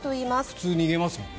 普通逃げますよね。